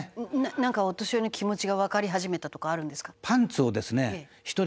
なんかお年寄りの気持ちがわかり始めたとかあるんですか？